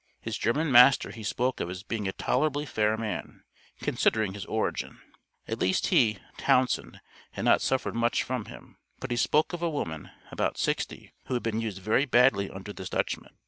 His German master he spoke of as being a tolerably fair man, "considering his origin." At least he (Townsend), had not suffered much from him; but he spoke of a woman, about sixty, who had been used very badly under this Dutchman.